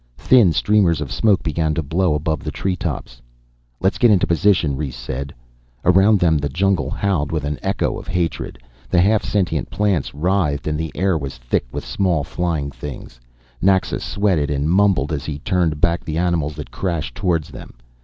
Thin streamers of smoke began to blow above the treetops. "Let's get into position," Rhes said. Around them the jungle howled with an echo of hatred. The half sentient plants writhed and the air was thick with small flying things. Naxa sweated and mumbled as he turned back the animals that crashed towards them.